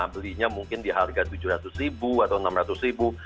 belinya mungkin di harga tujuh ratus ribu atau enam ratus ribu